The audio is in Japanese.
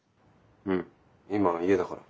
うん。今家だから。